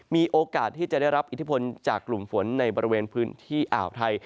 มีโอกาสที่จะได้รับอิทธิพลจากกลุ่มฝนในบริเวณพื้นที่อ่าวไทย